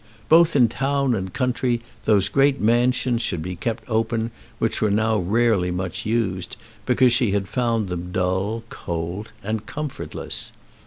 Both in town and country those great mansions should be kept open which were now rarely much used because she had found them dull, cold, and comfortless.